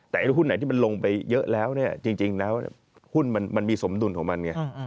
แต่ไอ้หุ้นไหนที่มันลงไปเยอะแล้วเนี่ยจริงแล้วหุ้นมันมีสมดุลของมันไง